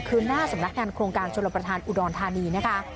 คือหน้าสำนักงานโครงการชลประธานอุดรธานีนะคะ